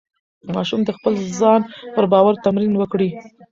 ماشوم د خپل ځان پر باور تمرین وکړي.